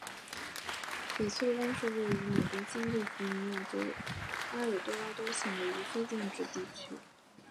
翡翠湾是位于美国加利福尼亚州埃尔多拉多县的一个非建制地区。